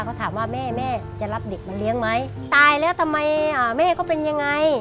เขาถามว่าแม่แม่จะรับเด็กมาเลี้ยงไหมตายแล้วทำไมอ่ะแม่ก็เป็นยังไง